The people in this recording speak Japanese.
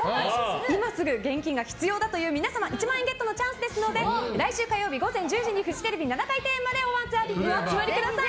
今すぐ現金が必要だという皆様１万円ゲットのチャンスですので来週火曜日午前１０時にフジテレビ７階庭園までお集まりください。